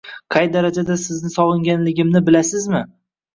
Qay darajada sizni sog'inganligimni bilasizmi